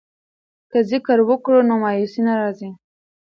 که ذکر وکړو نو مایوسي نه راځي.